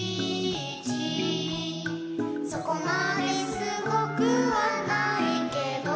「そこまですごくはないけど」